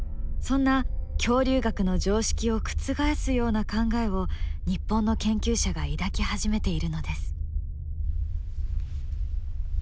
そんな恐竜学の常識を覆すような考えを日本の研究者が抱き始めているのです。